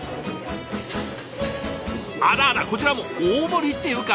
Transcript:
あららこちらも大盛りっていうか